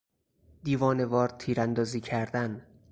دیوانهوار تیراندازی کردن